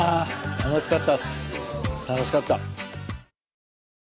楽しかった。